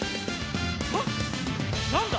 あっなんだ？